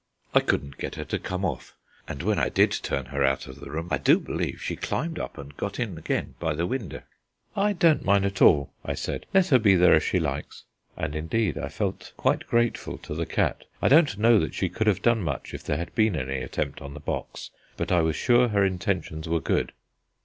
"I couldn't get her to come off; and when I did turn her out of the room, I do believe she climbed up and got in again by the winder." "I don't mind at all," I said; "let her be there if she likes." And indeed I felt quite grateful to the cat. I don't know that she could have done much if there had been any attempt on the box, but I was sure her intentions were good.